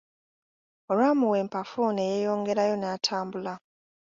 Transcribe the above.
Olwamuwa empafu ne yeeyongerayo n'atambula.